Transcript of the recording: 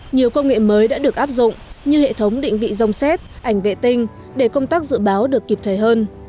nhiều công nghệ mới đã được áp dụng như hệ thống định vị dông xét ảnh vệ tinh để công tác dự báo được kịp thời hơn